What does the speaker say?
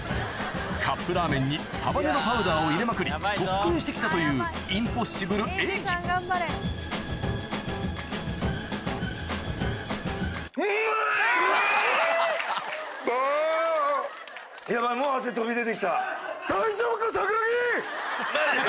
カップラーメンにハバネロパウダーを入れまくり特訓して来たというインポッシブル・えいじヤバい